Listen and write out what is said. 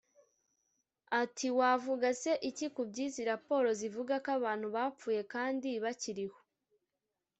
Ati “Wavuga se iki ku by’izi raporo zivuga ko abantu bapfuye kandi bakiriho